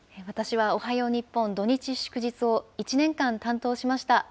私はおはよう日本、土日祝日を１年間担当しました。